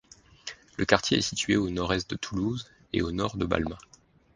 Le quartier est situé au nord-est de Toulouse et au nord de Balma.